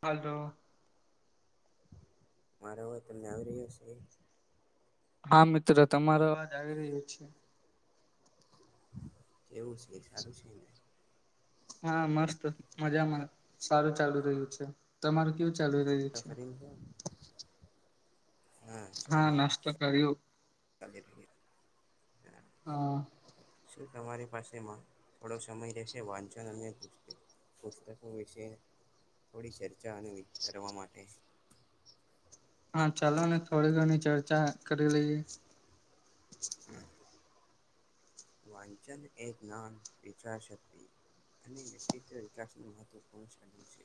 Hello. મારો અવાજ તમને આવી રહ્યો છે? હા મિત્ર તમારો અવાજ આવી રહ્યો છે. એવું છે. સારું છે ને? હા મસ્ત, મજામાં. સારું ચાલુ રહયું છે. તમારું કેવું ચાલુ રહ્યું છે [unintelligible] હા નષ્ટ કર્યું. હા [unintelligible] તમારી પાસેમાં થોડો સમય રહેશે વાંચન અને પુસ્તકો વિશે થોડી ચર્ચા અને વિતરવા માટે. હા ચાલો ને થોડી ઘણી ચર્ચા કરી લઈએ. હમ્મ. વાંચન એ જ્ઞાન, વિચાર શક્તિ અને વ્યક્તિત્વ વિકાસ નું મહત્વૂર્ણ [unintelligible] છે.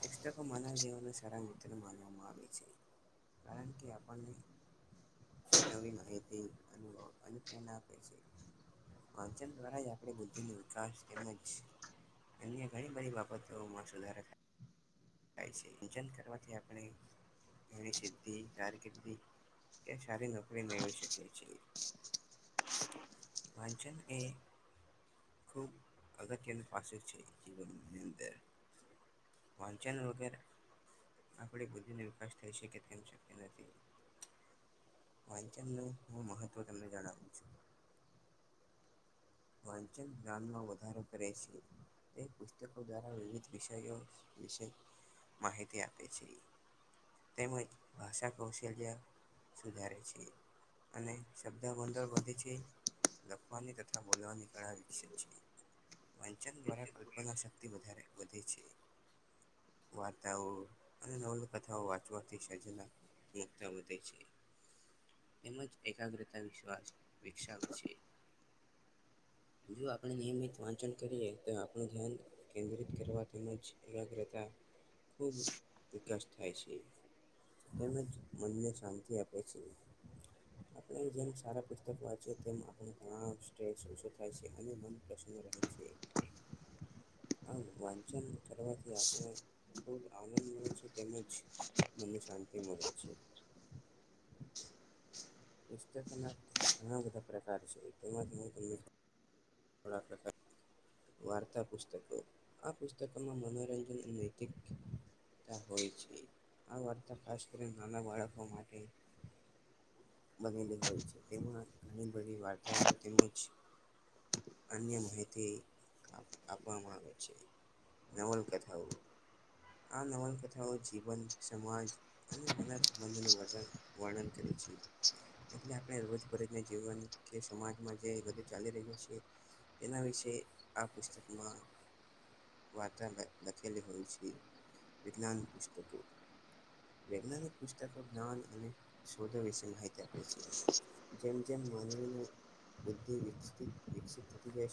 પુસ્તકો માનવ જીવનના સારા મિત્ર માનવામાં આવે છે. કારણ કે આપણને નવી માહિતી, અનુભવ અને એના વાચન દ્વારા જ આપણી બુદ્ધિ નો વિકાસ તેમજ અન્ય ઘણી બધી બાબતોમાં સુધારે થાય થાય છે. ઇંજન કરવાથી આપણે ઘણી સિદ્ધી, કારકિર્દી કે સારી નોકરી મેળવી શકે છીએ વાચન એ ખુબ અગત્યની પાસે છે જીવનની અંદર વાચન વગર આપણી બુદ્ધિનો વિકાસ થઈ શકે તેમ શક્ય નથી. વાંચન નું હું મહત્વ તમને જણાવું છું. વાંચન ઞાનમાં વધારો કરે છે. તે પુસ્તકો દ્વારા વિવિધ વિષયો વિશે માહિતી આપે છે. તેમજ ભાષા કૌશલ્ય સુધારે છે. અને શબ્દ ગોંડળ વધે છે લખવાની તક બોલવાની કળા વિકસ છીએ વાંચન દ્વારા કલ્પના શક્તિ વધારે વધે છે. વાર્તાઓ અને નવાવા કથાઓ વાંચવાથી છેજ ના તે મુખતા બધે છે. તેમજ એકાગ્રતા વિશ્વાસ વિકસાવે છે. જો આપણે નિયમિત વાંચન કરીએ તો આપણું ધ્યાન કેન્દ્રિત કરવા તેમજ એકાગતા ખુબ વિકાસ થાય છે તેમજ મનને શાંતિ આપે છે. આપણે જેમ સારા પુસ્તક વાંચી તેમ આપ ગણાવ થાય છે અને મન પ્રશન રહે છે આ વાંચન કરવાથી આપણે ખૂબ આનં આનંદ મળે છે તેમજ મનને શાંતિ મળે છે. પુસ્તકના ઘણા બધા પ્રકાર છે તેમાંથી હું તમને ધણા પકાર વાર્તા પુસ્તકો આ પુસ્તકોમાં મનોરંજન અને નૈતિક હોય છે આ વાર્તા ખાસ કરીને નાના બાળકો માટે બનેલી હોય છે તેમાં ઘણી બધી વાર્તાઓ તેમજ અન્ય માહિતી આપવામાં આવે છે. નવલકથાઓ આ નવલકથાઓ જીવંત સમાજ અને વન સંબંધો વર્ન વર્ણન કરે છે. એટલે આપણે રોજ ભરૂજને જીવન કે સમાજમાં જે બધું ચાલી રહ્યા છીએ. તેના વિશે આ પુસ્તકમાં વારતા લ લખેલી હોય છે વિજ્ઞાન પુસ્તકો વૈજ્ઞાનિક પુસ્તકો જ્ઞાન અને શોધો વિશે િત આપે છે જેમ જેમ માનવીની બુદ્ધિ વિક વિક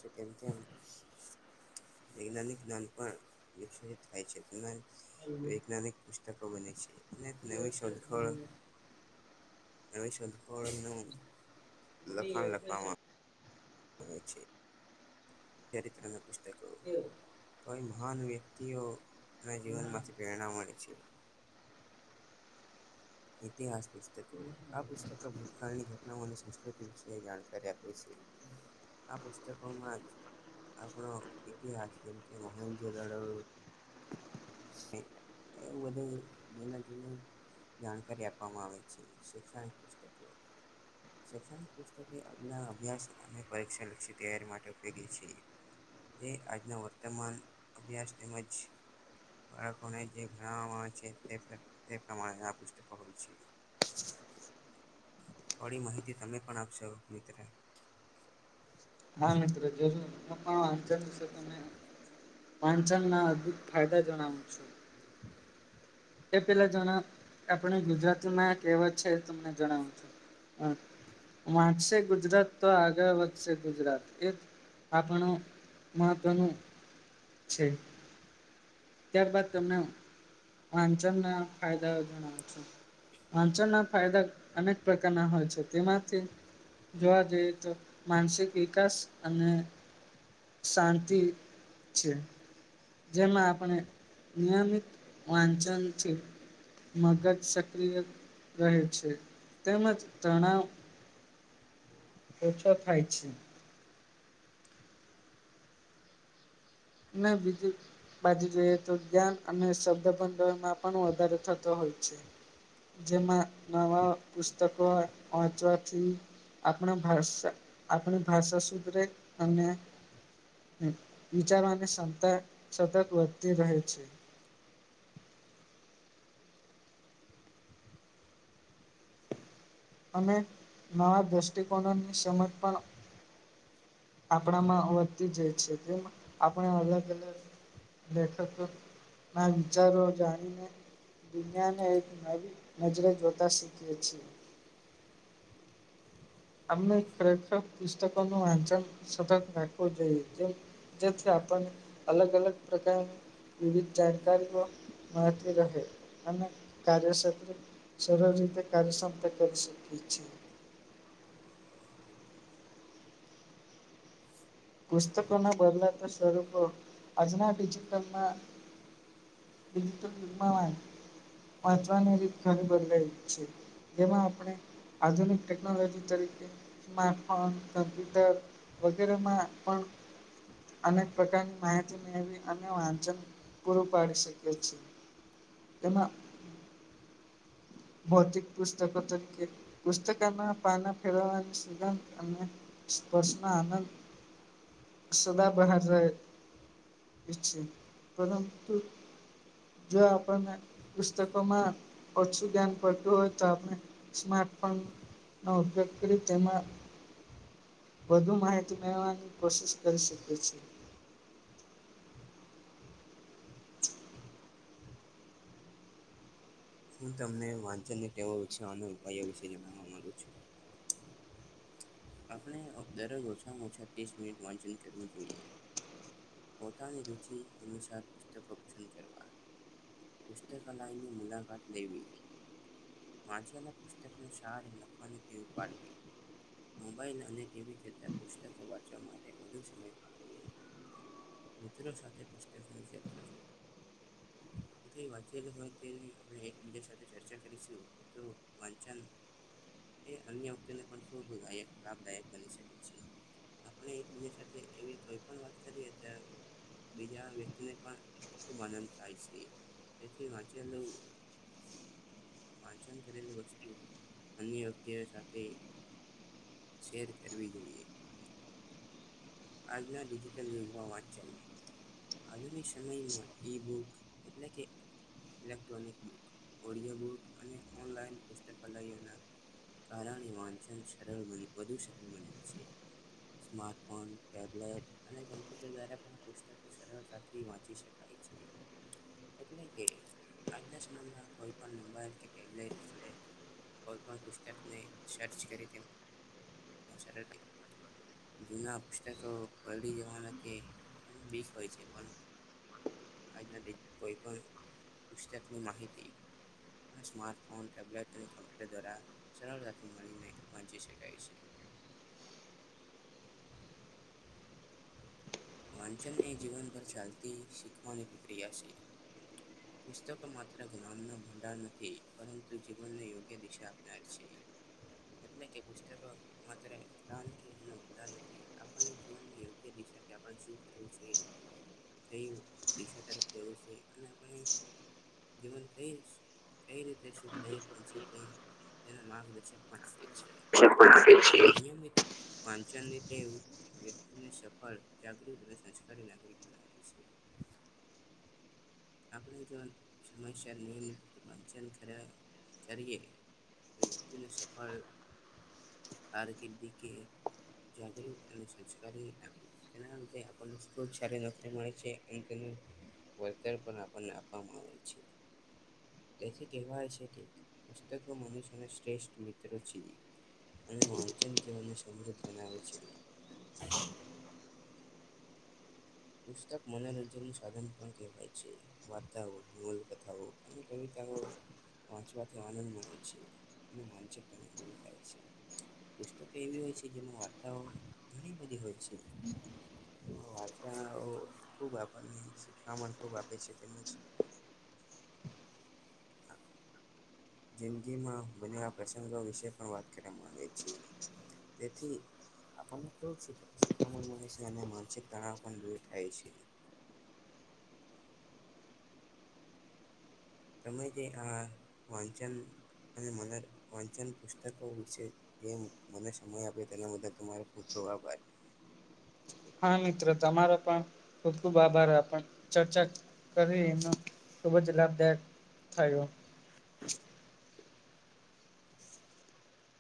છે કેમ કે વૈજ્ઞાનિક્ઞાન પણ વ થાય છે વૈજ્ઞાનિક પુસ્તકો બને છે. શને નવી શોધખળ એવશદનું લખા લખામાં બ છે. ચરિત્ર ના પુસ્તકો [unintelligible] તોઈ મહાન વ્યક્તિઓ ના જીવનમાંથી પ્રેરણા મળે છે. ઇતિહાસ પુસ્તકો આ પુસ્તકો ભૂતકાળની ઘટનાઓ અને સંસ્કૃતિ વિશે જાણકારી આપે છે. આ પુસ્તકો માં જ આપણો ઇતિહાસ જેમ કે મોહેન જો દદો શ એવું બધું જુદા જુદા જાણકારી આપવામાં આવે છે શૈક્ષણિક પુસ્તકો શૈક્ષણિક પુસ્તકે આજના અભ્યાસ અને પરીક્ષલક્ષી તૈયારી માટે ઉપયોગી છે. જે આજનો વર્તમાન અભ્યાસ તેમજ જે ઘ છે તે પ્રમાણે પુસ્તકો હોય છે. થોડી માહિતી તમે પણ આપશો મિત્ર હા મિત્ર. [unintelligible] દિવસે તમે વાંચનના અદ્ભુત ફાયદા જણાવું છું. એ પેલા જણા.. આપણે ગુજરાતીમાં કહેવત છે એ તમને જણાવું છું. વાંચશે ગુજરાત તો આગળ વધશે ગુજરાત એ આપણું મહત્વનું છે. ત્યાર બાદ તમને વાંચનના ફાયદા જણાવુ છું. વાંચનના ફાયદા અનેક પ્રકારના હોય છે, તેમાંથી જોવા જઈએ તો માનસિક વિકાસ અને શાંતિ છે, જેમાં પણ નિયમિત વાંચન છે, મગજ સક્રિય રહે છે, તેમજ તણાવ [inaudible] ઓછો થાય છે ના બીજું બાજુ જોઈએ, તો જ્ઞાન અને શબ્દબંધમાં પણ વધારો થતો હોય છે. જેમાં નવા પુસ્તકો વાંચવાથી આપણા ભાષા આપણી ભાષા સુધરે અને.. વિચારવાની ક્ષમતા સતત વધતી રહે છે. અને નવા દ્રષ્ટિકોણોની સમજ પણ આપણામાં વધતી જાય છે, તેમાં આપણે અલગ -અલગ લેખકોના વિચારો જાણીને દુનિયાને એક નવી નજરે જોતા શીખીએ છીએ. અને ખરેખર પુસ્તકોનું વાંચન સતત રાખવું જોઈએ, જે જેથી આપણને અલગ-અલગ પ્રકારની વિવિધ જાણકારીઓ મળતી રહે અને કાર્યક્ષેત્રે જરૂરી કાર્યક્ષમતા કરી શકીએ છીએ. [inaudible] પુસ્તકોનાં બદલાતા સ્વરૂપો આજનાં ડિજિટલમાં [unintelligible] મહત્વની રીત ખરી બદલાઈ છે, જેમાં આપણે આધુનિક ટેક્નોલોજી તરીકે સ્માર્ટફોન, કમ્પ્યુટર વગેરેમાં પણ અનેક પ્રકારની માહિતી મેળવી અને વાંચન પૂરું પાડી શકીએ છીએ. એમાં ભૌતિક પુસ્તકો તરીકે, પુસ્તકનાં પાનાં ફેરવવાનો સિદ્ધાંત અને સ્પશ્ન આનંદ [inaudible] સદા્બહાર રહે છે, પરંતુ જો આપણને પુસ્તકોમાં ઓછું ધ્યાન પડતું હોય તો આપણે, સ્માર્ટફોનનો ઉપયોગ કરી તેમાં વધુ માહિતી મેળવવાની કોશિશ કરી શકીએ છીએ. હું તમને વાંચનની ટેવ વિશે અને ઉપાયો વિશે જણાવવા માંગુ છું. આપણે દરરોજ ઓછામાં ઓછા ત્રીસ મિનિટ વાંચન કરવું જોઈએ. પોતાની રુચિ અનુસાર પુસ્તકો પસંદ કરવા. પુસ્તકાલયની મુલાકાત લેવી. વાંચેલા પુસ્તકનો સાર લખવાની ટેવ પાડવી. મોબાઈલ અને ટીવી કરતાં પુસ્તકો વાંચવા માટે વધુ સમય ફાળવવો. મિત્રો સાથે પુસ્તકોની ચર્ચા કરવી. [inaudible] વાંચેલ હોય તેની આપણે એકબીજા સાથે ચર્ચા કરીશું, તો વાંચન એ અન્ય વક્તિને પણ ખૂબ લાભદાયક બની શકે છે. આપણે એકબીજા સાથે એવી કોઈ પણ વાત કરીએ તો બીજા વ્યક્તિને ખૂબ આનંદ થાય છે, તેથી વાચેલું વાંચન કરેલી વસ્તુ અન્ય વ્યક્તિઓ સાથે શેર કરવી જોઈએ. આજનાિજટલ યુગ વાંચ આજુ સમયમાં ઈબુક એટ કે ઇલેક્ટ્રોનિક બુક, ઓડિયો બુક અને ઓનલાઈન પુસ્તલયયોના કાર વાન સર વધુ સર બન્યું છે, માર્ટફોન પુસ્તકો સરળતાથી વાંચી શકાય છે એટલે કે આજના સમયમાં કોઈ પણ મોબાઈલ કે ટેબ્લેટ વડે કોઈ પણ પુસ્તકને મશ રડી [unintelligible] જૂના પુસ્તકો પી જવાના કે એ બીક હોય છે પણ આજના કોઈ પણ પુસ્તકની માહિતી માર્ટફોનલે્પુ દ્વારા સરતાથી મળચી શકાય છે. [inaudible] વાંચન એ જીવનભર ચાલતી શીખવાની પ્રક્રિયા છે. પુસ્તકો માત્ર જ્ઞાન ન ભંડાર નથી પરંતુ જીવનને યોગ્ય દિશા આપનાર છે. એટલે કે પુસ્તક માત્ર એડા નથી આપણને જોવાનીયો્ય દિા [unintelligible] શ કર છે, ક દા તરફ જવું છે અને જીવન ક કઈ રીતે સુખદાયક તે માર્ગદર્શક પણ છે એ પણે છેી [unintelligible] નિયમિત વાંચનની ટેવ વ્યક્તિને સફળ જાગૃત અને સંસ્કારી નાગરિક બનાવે છે. આપણે જો સમસ્યા નિયમિત ર વાચન કરીએ. વ્યક્તિને સફળ કારકિર્દી કે જાગૃત અને સંસ્કારી તેનાને ખ સારી નોકરી મળે છે. વળતર પણ આપણને આપવામાં આવે છે. તેથી કહેવાય છે કે પુસ્તકવ મનુષ્યના શ્રેષ્ઠ મિત્રો છી. અને વાંચન જીવનને સમૃદ્ધ બનાવે છે. [inaudible] પુસ્તક મનોરંજન નું સાધન પણ કહેવાય છે, વાર્તાઓ, નલકથાઓ એ ત વાચત આનંદ મળે છે અને માનસિકતાને દૂર થાય છે પુસ્તક એવી હોય છે કે જેમાં વાર્તાઓ ઘણી બધી હોય છે હમ વાર્તાઓખુબ આપણને શીખણ તો આપે છે તેમજ જિંદગી માં બનેયા પ્રસંગો વિશે પણ વાત કરવામા આવે છે તેથી આપણને [inaudible] શિખામણ મળે છે અને માનસિક તણાવ પણ દૂર થાય છે [inaudible] તમે જે આ વાંચન અને મને વાંચન પુસ્તકો વિશે જે મને સમય આપયો તેના બદલે [unintelligible] દવાબાઈ હા મિત્ર તમારો પણ ખુબ ખુબ આભાર આપ ચર્ચા કરીનો ખુબ જ લાભદાયક થાયયો